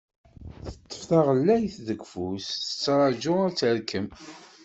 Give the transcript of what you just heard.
Teṭṭef taɣellayt deg ufus, tettraju ad terkem.